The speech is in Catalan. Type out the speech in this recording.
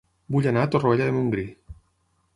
Vull anar a Torroella de Montgrí